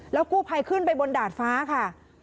กู้ภัยขึ้นไปบนดาดฟ้าค่ะ